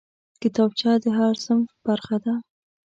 کتابچه د هر صنف برخه ده